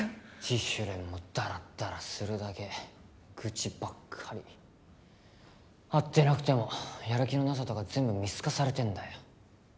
自主練もだらっだらするだけ愚痴ばっかり会ってなくてもやる気のなさとか全部見透かされてんだよ